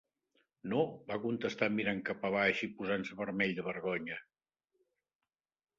No, va contestar mirant cap abaix i posant-se vermell de vergonya.